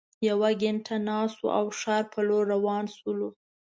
یوه ګینټه ناست وو او ښار په لور روان شولو.